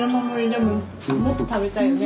でももっと食べたいよね。